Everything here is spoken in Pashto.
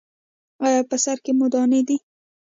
ایا په سر کې مو دانې دي؟